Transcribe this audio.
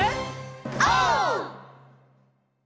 オー！